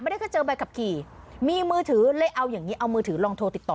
ได้แค่เจอใบขับขี่มีมือถือเลยเอาอย่างนี้เอามือถือลองโทรติดต่อ